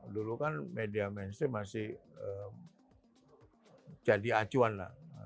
dulu kan media mainstream masih jadi acuan lah